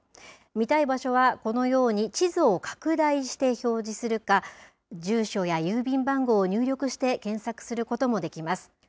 見たい場所はこのように、地図を拡大して表示するか、住所や郵便番号を入力して、検索することもできます。